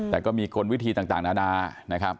แต่ก็มีกลวิธีต่างนานานะครับ